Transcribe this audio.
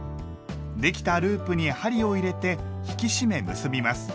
できたループに針を入れて引き締め結びます。